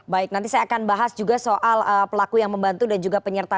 baik nanti saya akan bahas juga soal pelaku yang membantu dan juga penyerta